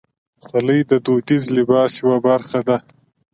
خولۍ د دودیز لباس یوه برخه ده.